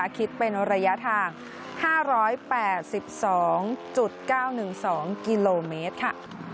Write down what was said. คิดเป็นระยะทาง๕๘๒๙๑๒กิโลเมตรค่ะ